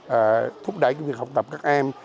và thúc đẩy cái việc học tập các em